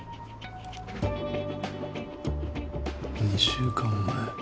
２週間前。